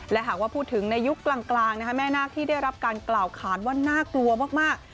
และหากว่าพูดถึงในยุคกลางแม่นาคที่ได้รับการกล่าวขานว่าน่ากลัวมาก